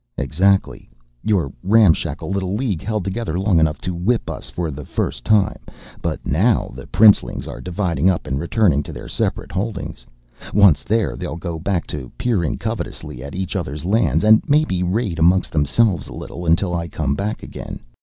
"Exactly. Your ramshackle little League held together long enough to whip us for the first time, but now the princelings are dividing up and returning to their separate holdings. Once there, they'll go back to peering covetously at each other's lands, and maybe raid amongst themselves a little, until I come back again.